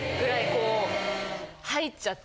こう入っちゃって。